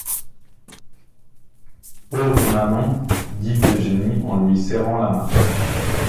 Pauvre Nanon, dit Eugénie en lui serrant la main.